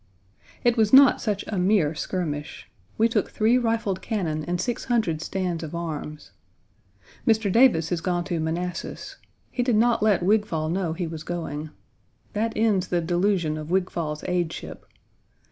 It was not such a mere skirmish. We took three rifled cannon and six hundred stands of arms. Mr. Davis has gone to Manassas. He did not let Wigfall know he was going. That ends the delusion of Wigfall's aideship.